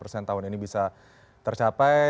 semoga ini bisa tercapai